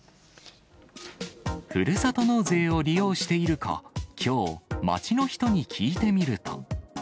ふるさと納税を利用しているか、きょう、街の人に聞いてみると。